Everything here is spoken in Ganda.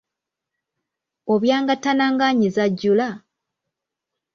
Obyangatana ng'anyiza ajjula.